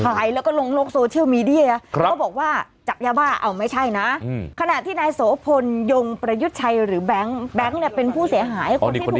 ขายแล้วก็ลงโลกโซเชียลมีเดีย